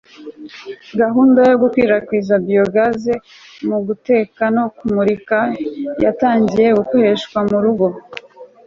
gahunda yo gukwirakwiza biogas mu guteka no kumurika yatangiye gukoreshwa mu ngo